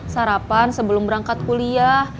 sarapan sebelum berangkat kuliah